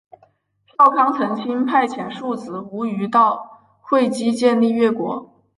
少康曾经派遣庶子无余到会稽建立越国。